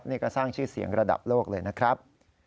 นี่ก็สร้างชื่อเสียงระดับโลกเลยนะครับ